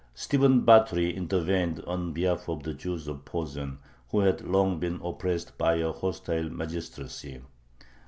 Stephen Batory intervened on behalf of the Jews of Posen, who had long been oppressed by a hostile magistracy.